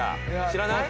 知らない？